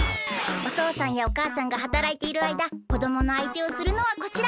おとうさんやおかあさんがはたらいているあいだこどものあいてをするのはこちら！